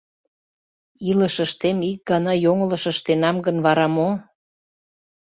— Илышыштем ик гана йоҥылыш ыштенам гын, вара мо?